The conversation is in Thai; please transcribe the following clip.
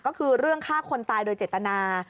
ก็คือเรื่องฆ่าคนตายโดยเจตนา